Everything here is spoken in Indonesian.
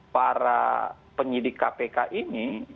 para penyidik kpk ini